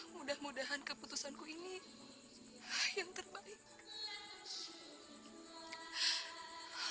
mudah mudahan keputusanku ini yang terbaik